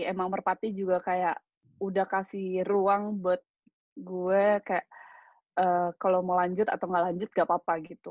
emang merpati juga kayak udah kasih ruang buat gue kayak kalau mau lanjut atau nggak lanjut gak apa apa gitu